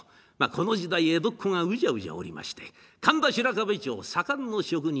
この時代江戸っ子がうじゃうじゃおりまして神田白壁町左官の職人の金太郎